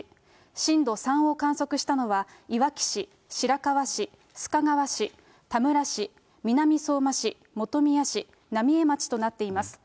震度３を観測したのは、いわき市、白河市、須賀川市、田村市、南相馬市、本宮市、浪江町となっています。